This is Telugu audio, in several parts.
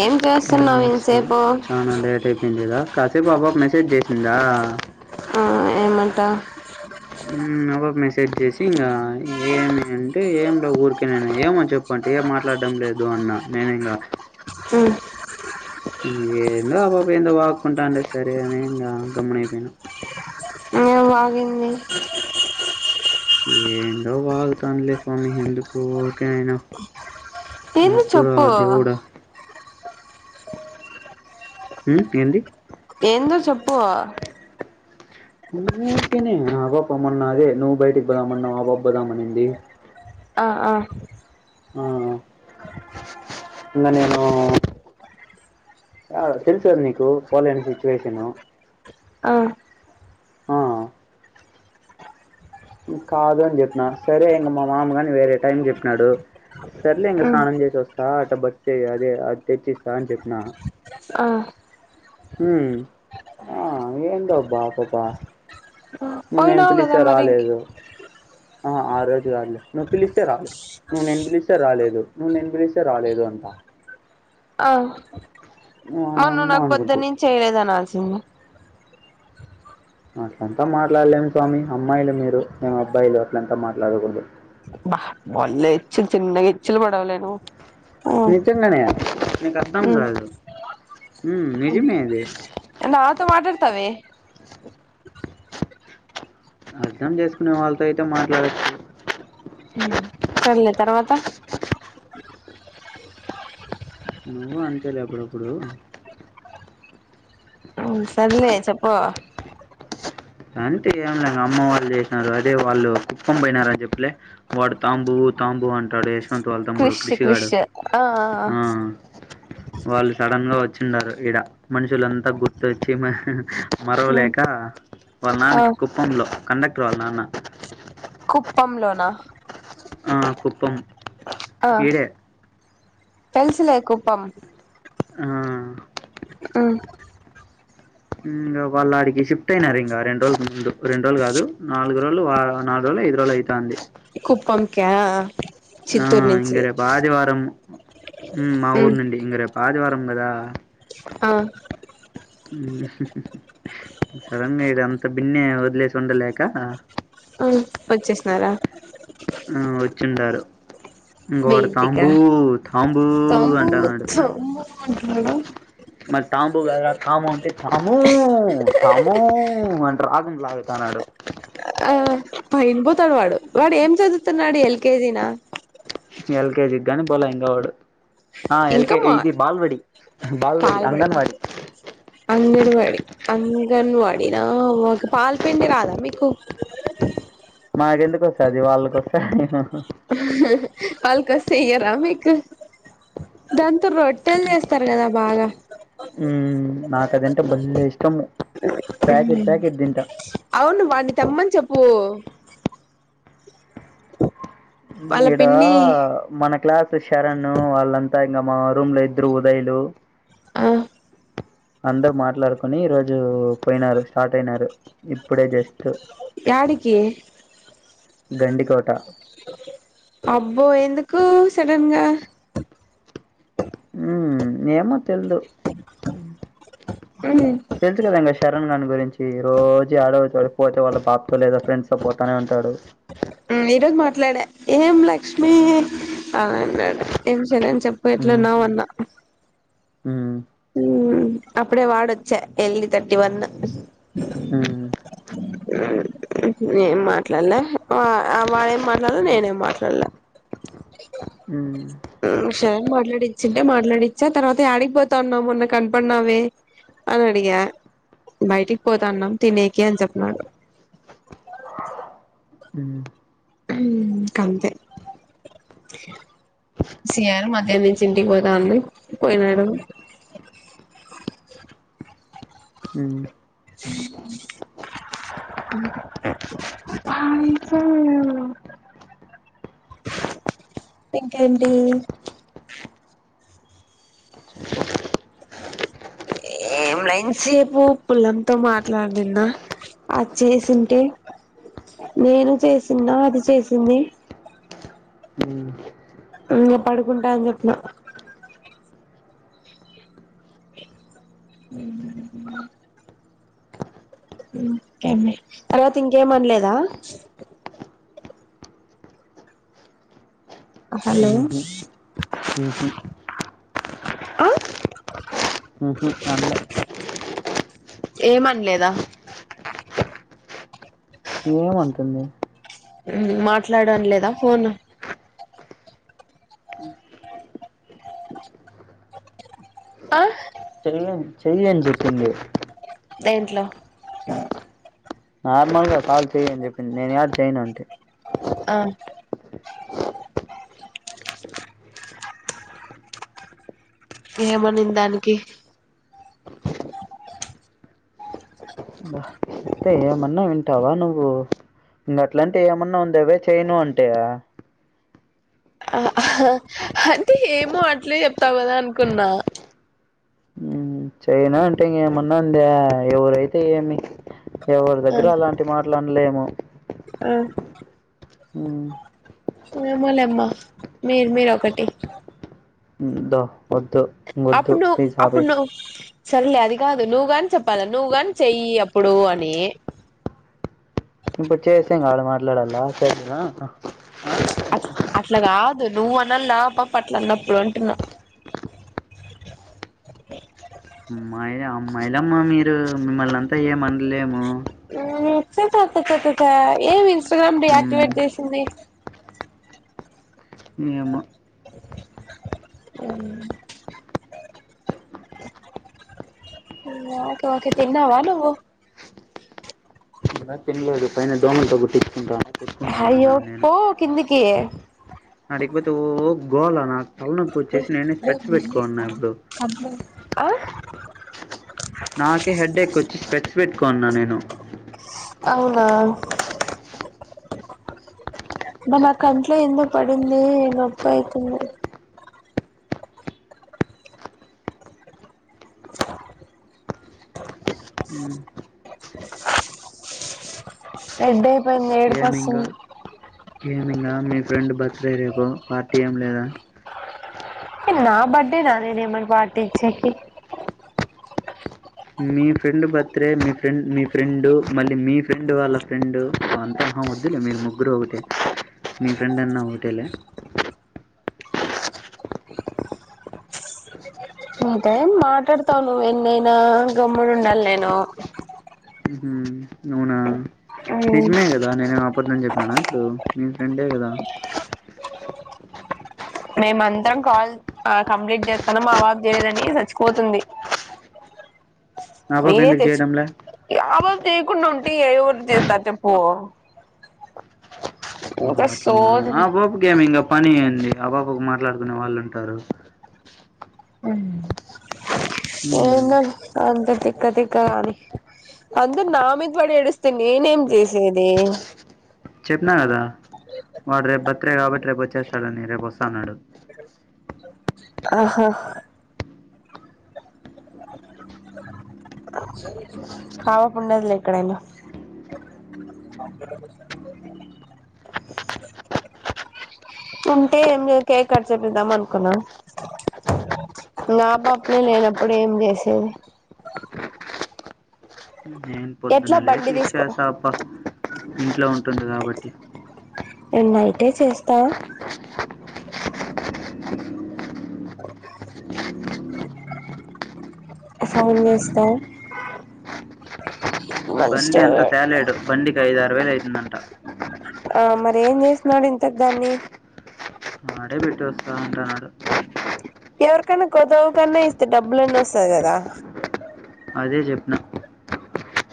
ఏం చేస్తున్నావు చ ఇంతసేపు చానా లేట్ అయిపోయింది కదా కాసేపు ఆ పాప మెసేజ్ చేసిందా అ ఎమంటా సట్ చేసి ఇంకా ఏమి అంటే ఏమిలే ఊరికే నేను ఏమో చెప్పు అంటే ఏం మాట్లాడడం లేదు అన్నా నేనింక ఆ ఎందో ఆ పాప ఎందో వాగ్గుంటాండే సరే అని గమ్మునయిపోయినా ఏం వాగింది ఏందో వాగుతాంది లే స్వామి ఎందుకు ఊర్కే నేను ఏందో వద్దురా చెప్పు దేవుడా ఉ ఏంది ఏందో చెప్పు ఊర్కనే ఆ పాప మొన్న అదే నువ్ బయటికి పోదామన్నావ్ ఆ పాప పోదామనింది ఆ ఆ ఆ ఇంక నేను ఆ తెలుసది నీకు పోలేని సిచ్చువేషను ఆ ఆ కాదు అని చెప్పిన సరే ఇంగ మా మామగాని వేరే టైం చెప్పినాడు సర్లే ఇంగ స్నానం చేసొస్తా అట్ట [unintelligible] చెయ్ అదే అది తెచ్చిస్తా అని చెప్పినా ఆ ఊ ఆ ఏంటోబా పపా నేను పోయినావు కదా పిలిస్తే మరి రాలేదు అ ఆ రోజు గాదులే నువ్వు పిలిస్తే రాలేదు నువ్ నెన్ పిలిస్తే రాలేదు నువ్ నేన్ పిలిస్తే రాలేదు అంటా అ ఆ నువ్ ఓయమ్మ నాకు అనుకుంటి పొద్దునుంచి చేయలేదు అనాల్సింది అట్లంతా మాట్లాడలేము స్వామి అమ్మాయిలు మీరు మేము అబ్బాయిలు అట్లంతా మాట్లాడకూడదు వన్నె ఎచ్చిల్ చిన్నగిచ్చలు పడవలేను నిజంగనే నీకు అర్థం మ్ కాదు హ్మ్ నిజమే అది అవే అర్థం చేసుకునే వాళ్ళతో అయితే మాట్లాడ హు సర్లే తర్వాత నువ్వు అంతేలే అప్పుడప్పుడు ఉం సర్లే చెప్పూ అంటే ఏం లే అమ్మ వాళ్ళు చేసినారు, అదే వాళ్ళు కుక్కం పోయినారు అని చెప్పలే వాడు తాంబూ. బుతాంబు అంటాడే యశ్వంత్ వాళ్ తమ్ముడు క్రిష్ క్రిష్ కృషిగాడు ఆ వాళ్ళు సడన్ గా వచ్చిండారు ఇడ మనుషులంతా గుర్తొచ్చి మ మరవలేకా వాళ్ ఆ నాన్నకి కుప్పంలో కండక్టర్ వాళ్ నాన్న కుప్పం లోన ఆ కుప్పం ఆ ఈడే. తెల్సులే కుప్పం ఆ ఉ ఇంగ వాళ్ళు ఆడికి షిఫ్ట్ అయినారు ఇంగ రెండు రోజుల ముందు, రెండు రోజులు గాదు, నాలుగు రోజులు ఆ నాలు రో. లే అయిదు రోలైతాంది కుప్పం కా ఆ ఇంగ రేపు ఆదివారము మా ఊరు నుండి ఇంది రేపు ఆదివారం గదా ఆ సడన్ గ ఇడ అంత బిన్నే వదిలేసి ఉండలేక వచ్చేసినారా ఆ వచ్చిండారు ఇంగ మీ వాడు ఇంటికా తాంబూ తాంబూ తంబు అంటున్నాడు తంబు అంటున్నాడు మ తాంబు గాదు రా తాము అంటే, తామూ తామూ అంటు రాగం లాగుతన్నాడు. [unintelligible] అ ఇంపుతాడు వాడు వాడు ఏం చదువుతున్నాడు ఎల్కేజీ నా ఎల్కేజి గాని పోలే ఇంకా వాడు ఆ ఇంకా ఎల్కె మా ఇది బాల్వడి బాల్వడి పాల్బడి అంగన్వాడి అంగన్వాడి అంగన్వాడినా ఒకె పాల్పిండి రాదా మీకు మాకెందుకు వస్తది వాళ్ళకొస్తా ఏమే పల్ కస్ చెయ్యరా మీకు దాంతో రొట్టెలు జేస్తారు గదా బాగా నాకు అదంటే ఫుల్ల్ ఇష్టము ప్యాకెట్ ప్యాకెట్ తింటా అవును వాడ్ని తెమ్మని చెప్పు వాళ్ళ ఇడా పిన్ని మన క్లాస్ శరణూ వాళ్ళంతా ఇంగ మా రూమ్ లో ఇద్దరు ఉదయ్ లు అహ్ అందరు మాట్లాడుకుొని ఈ రోజు పోయినారు స్టార్ట్ అయినారు ఇప్పుడే జస్ట్ యాడికి గెండికోోట అబ్బో ఎందుకు సడన్గా ఉ ఏమో తెల్దు మ్మ్ తెలుసు కదా అండి చెరణ్ గాని గురించి రోజు ఆడ పోతే వాళ్ళ బాబతో లేదా ఫ్రెండ్స్ తో పోతానే ఉంటాడు ఈరోోజ్ మాట్లాడే ఏం లక్ష్మిీ బావున్నాడు ఏం చేరన్ చెప్పు ఎట్ల ఉన్నావు అన్నా హు అప్పుడే వాడొచ్చా ఎల్ఈ తర్టీ వన్ ఉమ్ ఏం మాట్లాడ్లే వాళ్ళేం మాట్లాడలే నేనేం మాట్లాడలె ఉమ్ సర మాట్లాడిచ్చింటే మాట్లాడిచ్చా తర్వాత యాడిగిపోతా ఉన్నావ్ మొన్న కనపడినావే అని అడిగా బయటిక్ పోతాన్నాం తినేకి అని చెప్పన్నాడు మ్ హుమ్ ఇక అంతే సియాల మధ్యాహ్న నుంచి ఇంటికి పోతా అంది పోయినాడు ఉమ్ ఆ ఇంట్లో ఇంకేంటి ఏం లే ఇంతసేపు పుల్లంతో మాట్లాడిన్న అది చేసింటే నేను చేసిన్నా అది చేసింది మ్మ్. ఇంగ పడుకుంటా అని చెప్పిన ఉ ఇంకేమి తర్వాత ఇంకేం అన్లేద హలో ఊహు, ఊహు, అ ఉహు అన్ లె ఏమ్ అన్లేద ఏమంటుంది మాట్లాడు అన లేద ఫోన్ అహ్ చెల్లి నువ్ చెయ్ అని చెప్పింది దేంట్లో నార్మల్గా కాల్ చేయ్ అని చెప్పింది నేను యాడ్ చేయను అంటి అ ఏమనింద్ దానికి తే ఏమన్న వింటావ నువ్వు ఇంకా అట్లంటిే ఏమన్నా ఉండేవ చేయను అంటే అంటే ఏమో అట్లే చెప్తావు కదా అనుకున్నా చేయనా అంటే ఇంక ఏమన్నా ఉందే ఎవరైతే ఏమి ఎవరి దగ్గర అలాంటి మాటలు అనలేము అ ఉమ్, ఏమోలేమ్మ మీర్ మీరొకటి ఉందో వద్దు వొద్దు ప్లీస్ ఆపేయి సర్లే అది కాదు నువ్వు గాని చెప్పాల నువ్వు గాని చెయ్యి అప్పుడు అని ఇప్పుడు చేసి ఇంగ ఆడ మాట్లాడాల సరేనా? అట్ల అట్లగాద్ నువ్వు అనలా ఆ పాప అట్లా అన్నప్పుడు అంటున్నా అమ్మాయిలు అమ్మాయిలమ్మ మీరు మిమ్మల్ అంతా ఏమనలేము. [unintelligible] ఏమి ఇన్స్టాగ్రామ్ మ్మ్ డియాక్టివేట్ చేసింది. ఏమో? హ్మ్ ఓకే ఒకే తిన్నావా నువ్వు? ఇంకా తిన్లేదు పైన దోమలతో కుట్టించుకుంటన్న కు కుట్టుకుంటానాన్న అయ్యో నేను పో కిందికి ఆడికిపోతే ఓ గోలా నాకు తలనొప్పు వచ్చేసి నేనే స్పెడ్స్ పెట్టుకోనీ వున్న ఇప్పుడు ఆ నాకే హెడ్ ఎక్ వచ్చి స్పెడ్స్ పెట్టుకొని ఉన్న నేను అవునా అబ్బా నా కంట్లో ఎందొ పడింది నొప్పయితుంది. రెడ్ అయిపోయింది ఏమింగా ఏడుపొస్తుంది. ఏమింగా మీ ఫ్రెండ్ బర్త్డే రేపు పార్టీ ఏం లేదా? నా బర్డే నా నేనేమన్ పార్టీ ఇచ్చేకి మీ ఫ్రెండ్ బర్త్డే మీ ఫ్రెం మీ ఫ్రెండ్ మళ్ళీ మీ ఫ్రెండ్ వాళ్ళ ఫ్రెండ్ అంత ఆ వద్దులే మీరు ముగ్గురు ఒకటే మీ ఫ్రెండ్ అన్న ఒకటేలే. నీకేం మాట్లాడతావు నువ్వు ఎన్నైనా గమ్మునుండాలి నేను ఉహు అవునా నిజమే కదా నేనేం ఆపద్దం చెప్పిననా ఇప్పుడు మీ ఫ్రెండే కదా! మేమ అంతరం కాల్ కంప్లీట్ జేత్తనం మావాబ్ చేయదని చచ్చిపోతుంది. ఆ పాప మీరే ఎందుకు తెచ్చ్ చేయడంలే ఆబుబ్ చేయకుండా ఉంటే ఎవరు చేస్తారు చెప్పు ఓహో ఇంకా అట్లానా సోది ఆ పాప కే మైంద్ అప్ పోనియండి ఆ పాపకు మాట్లాడుకునే వాళ్ళు ఉంటారు. ఉమ్ ఉమ్ ఏందో అంటది. తిక్కతిక్క అని అందరు నా మీద పడి ఏడుస్తే నేనేం చేసేది. చెప్పిన కదా. వాడు రేపు బర్త్డే కాబట్టి రేపు వచ్చేస్తాడని రేపు వస్తాన్నాడు ఆహా హ్ హావా పుండదిల ఎక్కడైనా [inaudible] ఉంటే ఏమ్ లే కేక్ కట్ చేపిద్దాం అనుకున్నా ఇంగా ఆ పాప్లే లేనప్పుడు ఏం చేసేది? నేను ఎట్లా పొద్దున్న లేచి బండి విష్ తీసుకో చేశాఅప్ప ఇంట్లో ఉంటుంది కాబట్టి నేను నైటే చేస్తా. ఫోన్ చేస్తా బండి అంతా మంచిోడు తేలేడు బండికి ఐదు ఆరు వేలు అయితుందంట ఆ మరి ఏం చేసినాడు ఇంతకు దాన్ని వాడే పెట్టి వస్తా అంటున్నాడు. ఎవరికైనా కొదవు కన్నా ఇస్తే డబ్బులన్నా వస్తది కదా అదే జెప్పిన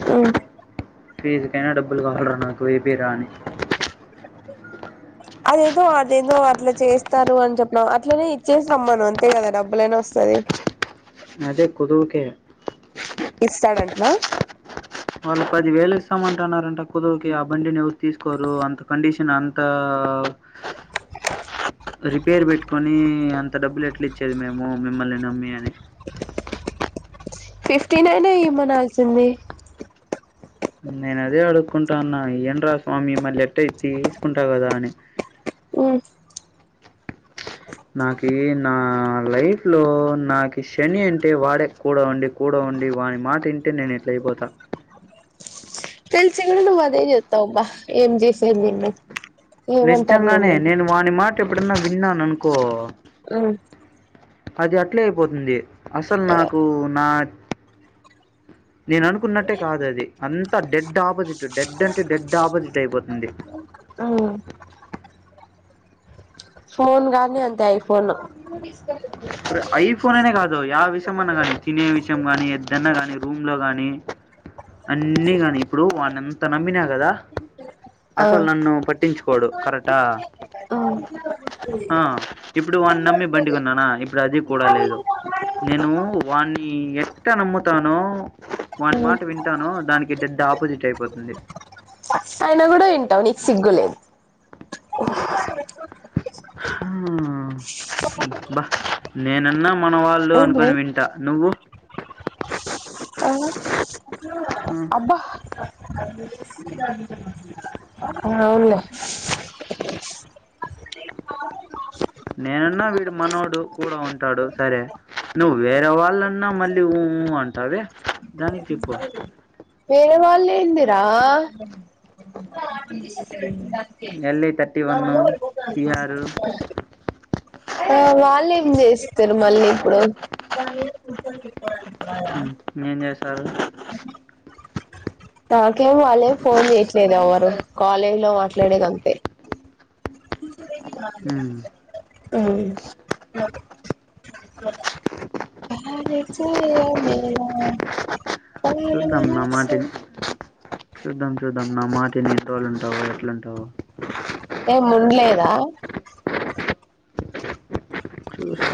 ఆ ఫీస్ కైనా డబ్బులు కావాలి రా ఏపీయ్ రా అనీ అదేదో అదేందో అట్లా చేస్తారు అని చెప్పినవ్ అట్లనే ఇచ్చేసి రమ్మను అంతే కదా డబ్బులైనా వస్తది. అదే కొదువుకే కిస్తాడంటానా? వాళ్ళు పది వేలు ఇస్తామంటన్నారంట కుదువుకి ఆ బండిని ఎవరు తీసుకోరు అంత కండిషన్ న అంత రిపేర్ పెట్టుకొని అంత డబ్బులు ఎట్లా ఇచ్చేది మేము మిమ్మల్ని నమ్మి అని ఫిఫ్టీనైన ఇమనాల్సింది నేను అదే అడుకుంటాన్నా ఇయ్యండ్రా స్వామి మళ్ళీ ఎట్ట తీ తీసుకుంటా కదా అని నాకి నా లైఫ్ లో నాకి శని అంటే వాడే కూ ఉండి కూడా ఉండి ండి వాని మాట ఇంటే నేను ఇట్ల అయిపోతా తెల్సి ను అదే చెత్తవు అబ్బ ఏం జసేది నిన్ను ఏమంటారు నిజంగానే నిన్ను నేను వాని మాట ఎప్పుడన్నా విన్నాను అనుకో ఆ అది అట్లే అయిపోతుంది అసలు నాకు నా నేను అనుకున్నట్టే కాదు అది అంత డెడ్ ఆపోజిట్ డెడ్ అంటే డెడ్ ఆపోజిట్ అయిపోతుంది ఫోన్ గానీ అంతే ఐఫోన్ ఐఫోన్ అనే కాదు ఆ విషయ అన్నా గానీ తినే విషయం ని ఎద్దన్నా కానీ రూమ్ లో గాని అన్నీ కానీ ఇప్పుడు వాన్నెంత నమ్మినా కదా ఆ అసలు నన్ను పట్టించుకోడు కరెక్టా ఆ ఇప్పుడు వన్ని నమ్మి బండి కొన్న నా ఇప్పుడు అది కూడా లేదు నేను వాణ్ణి ఎట్ట నమ్ముతానో వాని మాట వింటానో దానికి డెడ్డపోజిట్ అయిపోతుంది అయినా కూడా వింటావు నీకు సిగ్గులేదు హా బా నేనన్నా మన వాళ్ళు ఏంది అనుకుని వింటా నువ్వు ఆ అబ్బా అవులే నేనన్నా వీడు మనోడు కూడా ఉంటాడు సరే నువ్వు వేరే వాళ్ళన్నా మళ్ళీఊ ఊ అంటావె దానికి చెప్పు వేరే వాళ్లు ఎందీరా ఎల్ఐ థర్టీ వన్ సిఆర్ [unintelligible] ఆ వాళ్ళు ఏం చేస్తారు మళ్ళీ ఇప్పుడు ఉం ఏం చేసారు నాకేం వాళ్ళేం ఫోన్ చేయట్లేదు ఎవ్వరు కాలేజ్ లో మాట్లాడేది అంతే ఉమ్, ఉం [unintelligible] మేర చూద్దాం నా మాటిని చూద్దాం చూద్దాం నా మాటినీ తోడు ఉంటావో ఎట్లుంటావో ఏ ఉండలేదా చూస్తా